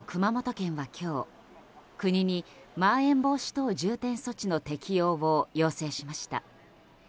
広島県と熊本県は今日国に、まん延防止等重点措置の適用を要請しました。